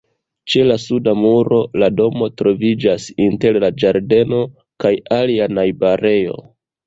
Ĉe la suda muro, la domo troviĝas inter la ĝardeno kaj alia najbarejo.